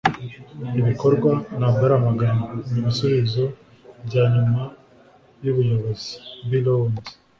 ibikorwa, ntabwo ari amagambo, ni ibisubizo byanyuma by'ubuyobozi. - bill owens